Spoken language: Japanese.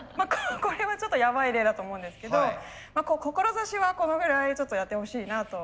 これはちょっとやばい例だと思うんですけど志はこのぐらいちょっとやってほしいなと。